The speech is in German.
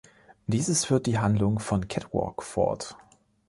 Dieses führt die Handlung von "Catwalk" fort.